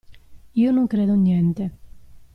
Io non credo niente.